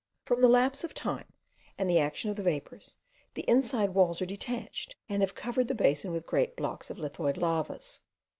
From the lapse of time, and the action of the vapours, the inside walls are detached, and have covered the basin with great blocks of lithoid lavas.